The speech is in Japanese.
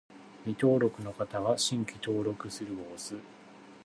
未登録の方は、「新規登録する」を押す